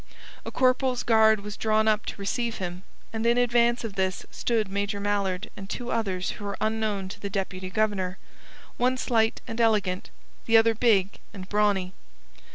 A corporal's guard was drawn up to receive him, and in advance of this stood Major Mallard and two others who were unknown to the Deputy Governor: one slight and elegant, the other big and brawny.